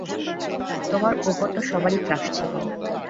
তোমার ওপর তো সবারই ক্রাশ ছিল।